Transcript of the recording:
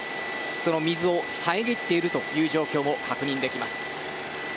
その水を遮っているという状況も確認できます。